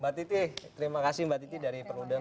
mbak titi terima kasih mbak titi dari perludem